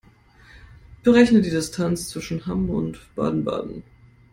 Berechne die Distanz zwischen Hamm und Baden-Baden